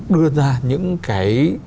đưa ra những cái